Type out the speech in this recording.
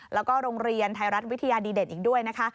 แล้วก็โรงเรียนไทยรัฐวิทยาดีเด่นอีกด้วยนะคะ